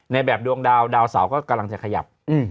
ในแบบดวงดาวดาวเสาก็กำลังจะขยับ